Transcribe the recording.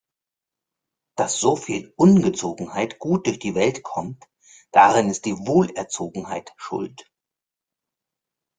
Dass soviel Ungezogenheit gut durch die Welt kommt, daran ist die Wohlerzogenheit schuld.